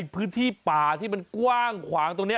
พื้นที่ป่าที่มันกว้างขวางตรงนี้